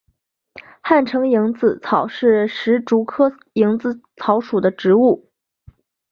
汉城蝇子草是石竹科蝇子草属的植物。